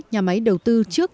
nhà máy đầu tư trước